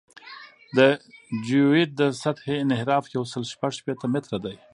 د جیوئید د سطحې انحراف یو سل شپږ شپېته متره دی